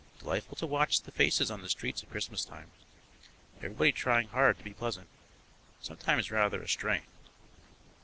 Delightful to watch the faces on the streets at Christmas time. Everybody trying hard to be pleasant; sometimes rather a strain.